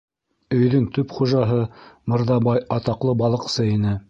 Өйҙөң төп хужаһы Мырҙабай атаҡлы балыҡсы ине.